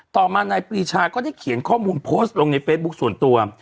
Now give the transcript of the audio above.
ต่อมานายปรีชาก็ได้เขียนข้อมูลโพสต์ลงในเฟซบุ๊คส่วนตัว